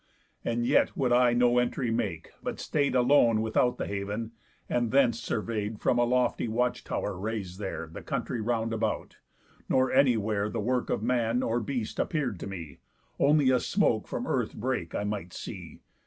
And yet would I no entry make, but stay'd Alone without the haven, and thence survey'd, From out a lofty watch tow'r raised there, The country round about; nor anywhere The work of man or beast appear'd to me, Only a smoke from earth break I might see.